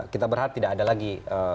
kita berharap tidak ada lagi